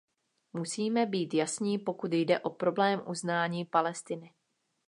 Musíme být jasní, pokud jde o problém uznání Palestiny.